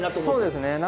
そうですね。